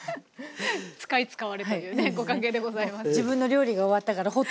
使い使われというねご関係でございます。